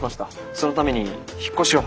そのために引っ越しを。